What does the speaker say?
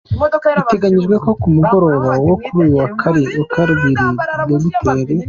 Biteganyijwe ko ku mugoroba wo kuri uyu wa Kabiri, Dr.